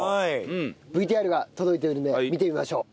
ＶＴＲが届いているので見てみましょう。